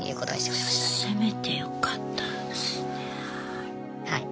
せめてよかったですね。